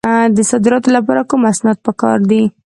د صادراتو لپاره کوم اسناد پکار دي؟